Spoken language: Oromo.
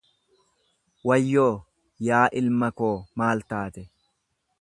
Wayyoo, yaa ilma koo maal taate?